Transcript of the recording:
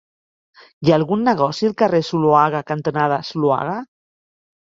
Hi ha algun negoci al carrer Zuloaga cantonada Zuloaga?